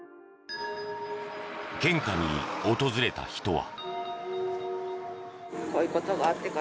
献花に訪れた人は。